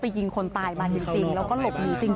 ปี๖๕วันเกิดปี๖๔ไปร่วมงานเช่นเดียวกัน